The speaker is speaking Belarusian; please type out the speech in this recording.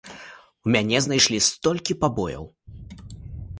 У мяне знайшлі столькі пабояў!